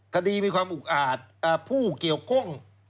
คดีมีความอุกอาจผู้เกี่ยวข้อง